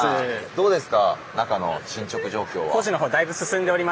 どうですか中の進捗状況は？